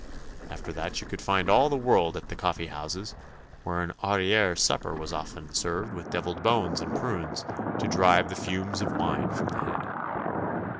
After that you could find all the world at the coffee houses, where an arriere supper was often served with devilled bones and prunes, to drive the fumes of wine from the head.